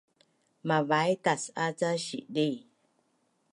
Mavai tas’a ca sidi